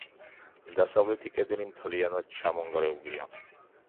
დასავლეთი კედელი მთლიანად ჩამონგრეულია.